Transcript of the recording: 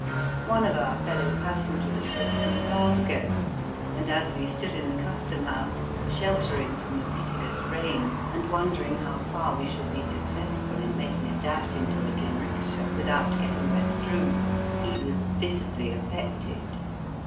One of our fellow passengers was from Glasgow, and as we stood in the Custom House, sheltering from the pitiless rain and wondering how far we should be successful in making a dash into a jinrikisha without getting wet through, he was visibly affected.